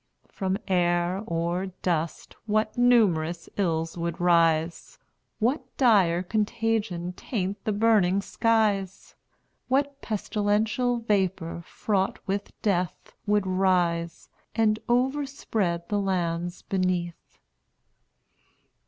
From air, or dust, what numerous ills would rise! What dire contagion taint the burning skies! What pestilential vapor, fraught with death, Would rise, and overspread the lands beneath!